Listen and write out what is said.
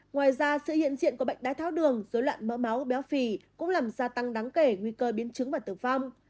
ngoài ra sự hiện diện của bệnh đái tháo đường dối loạn mỡ máu béo phì cũng làm gia tăng đáng kể nguy cơ biến chứng và tử vong